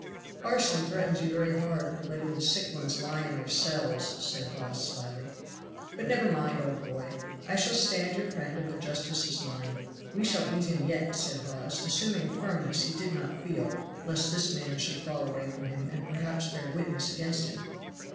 "Parson threatens you very hard for letting the sick ones lie in their cells," said Hawes slyly. "But never mind, old boy I shall stand your friend and the justices mine. We shall beat him yet," said Hawes, assuming a firmness he did not feel lest this man should fall away from him and perhaps bear witness against him.